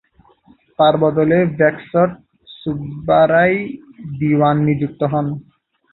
তার বদলে ভেঙ্কট সুব্বারায় দিওয়ান নিযুক্ত হন।